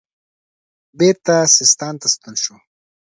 بیرته سیستان ته ستون شو.